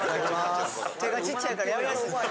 手がちっちゃいからやりやすい。